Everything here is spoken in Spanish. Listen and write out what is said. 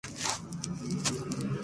La Forest-Landerneau